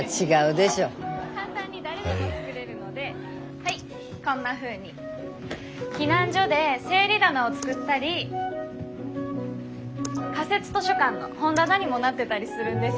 はいこんなふうに避難所で整理棚を作ったり仮設図書館の本棚にもなってたりするんです。